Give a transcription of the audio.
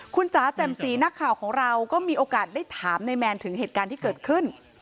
คุณจ๋าแจ่มสีนักข่าวของเราก็มีโอกาสได้ถามนายแมนถึงเหตุการณ์ที่เกิดขึ้น